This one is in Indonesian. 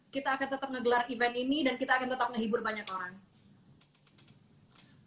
kita akan tetap ngegelar event ini dan kita akan tetap ngehibur banyak orang